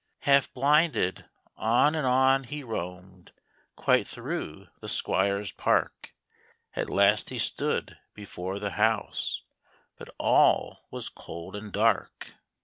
Half blinded, on and on he roamed, Quite through the Squire's park; At last he stood before the house, But all was cold and dark.